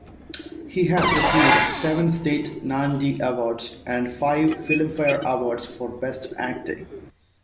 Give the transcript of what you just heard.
He has received seven state Nandi Awards, and five Filmfare Awards for best acting.